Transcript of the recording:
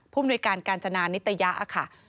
มนุยการกาญจนานิตยะค่ะ